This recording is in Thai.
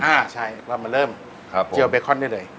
อ่าใช่เรามาเริ่มเจียวเบคอนได้เลย